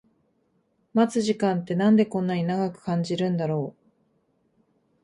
待つ時間ってなんでこんな長く感じるんだろう